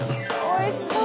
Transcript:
おいしそう。